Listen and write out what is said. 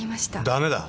ダメだ。